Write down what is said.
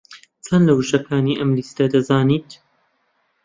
چەند لە وشەکانی ئەم لیستە دەزانیت؟